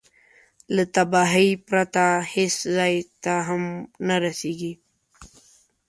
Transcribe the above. له تباهي پرته هېڅ ځای ته هم نه رسېږي.